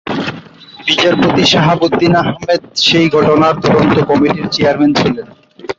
বিচারপতি শাহাবুদ্দিন আহমেদ সেই ঘটনার তদন্ত কমিটির চেয়ারম্যান ছিলেন।